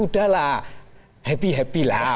udah lah happy happy lah